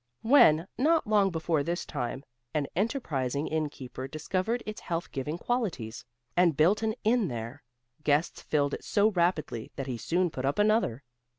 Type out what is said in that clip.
When, not long before this time, an enterprising inn keeper discovered its health giving qualities, and built an inn there, guests filled it so rapidly that he soon put up another.